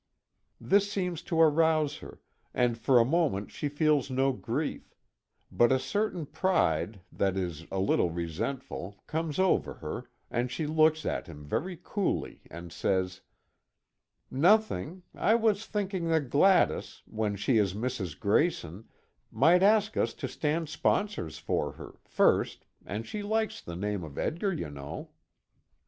This seems to arouse her, and for a moment she feels no grief; but a certain pride that is a little resentful, comes over her, and she looks at him very coolly and says: "Nothing; I was thinking that Gladys when she is Mrs. Grayson, might ask us to stand sponsors for her first, and she likes the name of Edgar, you know."